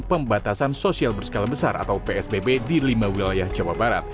pembatasan sosial berskala besar atau psbb di lima wilayah jawa barat